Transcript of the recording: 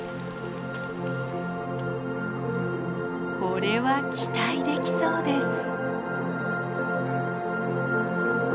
これは期待できそうです。